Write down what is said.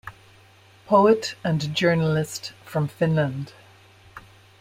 Poet and journalist from Finland.